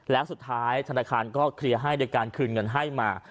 แล้วสุดท้ายธนาคารก็เคลียร์ให้โดยการคืนเงินให้มา